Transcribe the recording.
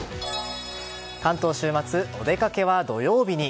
関東週末、お出かけは土曜日に。